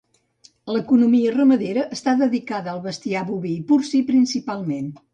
L'economia ramadera està dedicada al bestiar boví i porcí principalment.